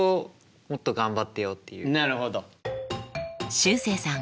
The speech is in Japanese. しゅうせいさん